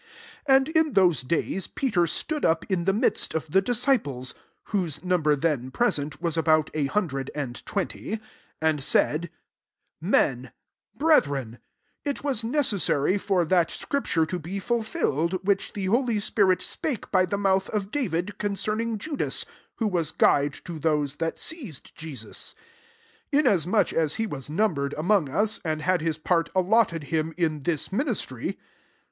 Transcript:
15 And in those days Peter stood up in the midst of the disciples, (whose number then present was about a hundred and twenty,) 16 and said " Men, Brethren, it was necessary for [that] scripture to be fulfilled, which the holy spirit spake by the mouth of David, concerning Judas, who was guide to those that seized Jesus ; 17 inasmuch as he was numbered among us, and had his part allotted him in this ministry."